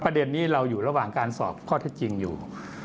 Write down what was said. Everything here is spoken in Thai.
ประเด็นนี้เราอยู่ระหว่างการสอบข้อเท็จจริงอยู่